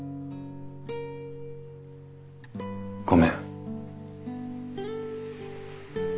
ごめん。